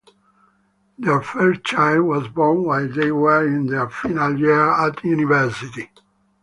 Their first child was born while they were in their final year at university.